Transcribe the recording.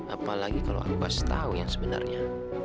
apalagi kalau aku kasih tau yang sebenarnya